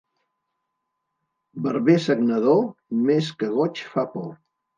Barber sagnador, més que goig fa por.